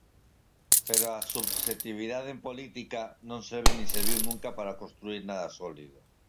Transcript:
Pero a subxectividade en política non serve nin serviu nunca para construír nada sólido.